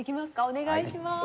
お願いします。